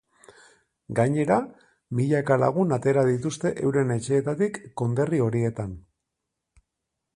Gainera, milaka lagun atera dituzte euren etxeetatik konderri horietan.